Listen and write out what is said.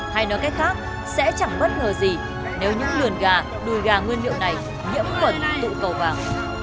hay nói cách khác sẽ chẳng bất ngờ gì nếu những lườn gà đùi gà nguyên liệu này nhiễm khuẩn tụ cầu vào